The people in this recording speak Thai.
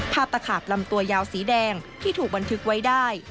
ตะขาบลำตัวยาวสีแดงที่ถูกบันทึกไว้ได้